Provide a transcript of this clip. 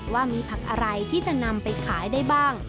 ว่ามีผักอะไรที่จะนำไปขายได้บ้าง